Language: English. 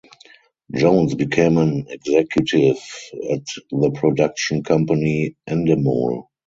Jones became an executive at the production company Endemol.